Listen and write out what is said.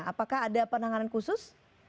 apakah ada penanganan khusus